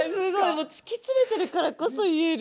もう突き詰めてるからこそ言える。